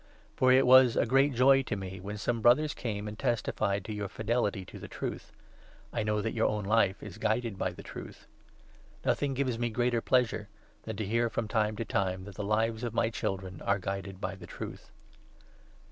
For it was a great joy to me, when some Brothers 3 came and testified to your fidelity to the Truth — I know that your own life is guided by the Truth. Nothing gives me 4 greater pleasure than to hear from time to time that the lives of my Children are guided by the Truth.